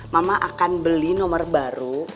mama akan beli nomor baru